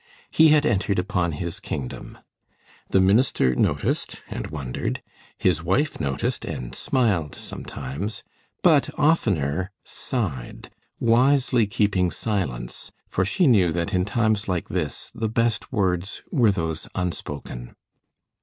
He had entered upon his kingdom. The minister noticed and wondered; his wife noticed and smiled sometimes, but oftener sighed, wisely keeping silence, for she knew that in times like this the best words were those unspoken.